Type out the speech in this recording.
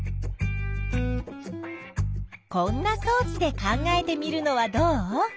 こんなそう置で考えてみるのはどう？